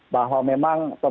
bahwa memang pemerintahnya